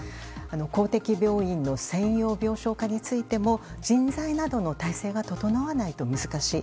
公的病院の専用病床化についても人材などの体制が整わないと難しい。